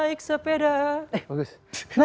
naik sepeda mati lampunya